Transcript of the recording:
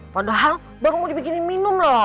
padahal baru mau dibikinin minum loh